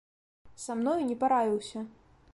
Са мною не параіўся.